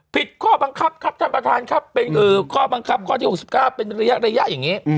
ข้อบังคับครับท่านประธานครับเป็นข้อบังคับข้อที่๖๙เป็นระยะอย่างนี้